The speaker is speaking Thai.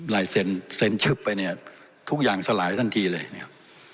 ไหลเซ็นท์เชิดไปเนี้ยทุกอย่างสลายทันทีเลย